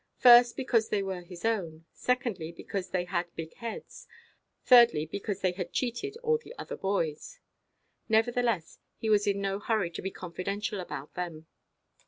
First, because they were his own; secondly, because they had big heads; thirdly, because they had cheated all the other boys. Nevertheless, he was in no hurry to be confidential about them.